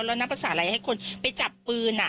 แล้วนับภาษาอะไรให้คนไปจับปืน